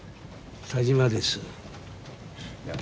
田島です。